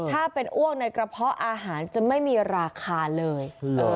ถ้าเป็นอ้วกในกระเพาะอาหารจะไม่มีราคาเลย